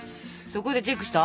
そこでチェックした？